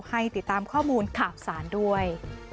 ให้ติดตามข้อมูลขาบสารด้วย